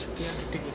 yang gidek itu